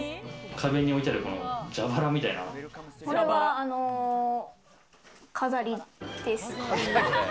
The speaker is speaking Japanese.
壁に置いてある蛇腹みたいなこれは飾りです。